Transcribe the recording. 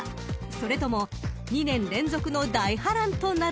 ［それとも２年連続の大波乱となるのか］